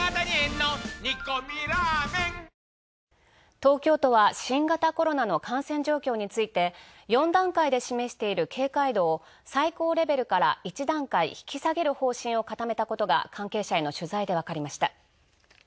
東京都は、新型コロナの感染状況について、４段階で示している警戒度を最高レベルから１段階引き下げる方針を改めたことが関係者への取材でわかりました。